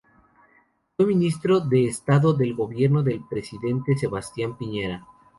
Fue ministro de Estado del Gobierno del presidente Sebastián Piñera.